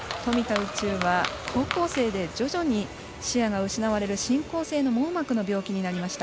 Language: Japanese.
宇宙は高校生で徐々に視野が失われる進行性の網膜の病気になりました。